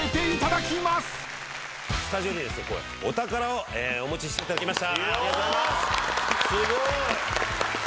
スタジオにお宝をお持ちしていただきました。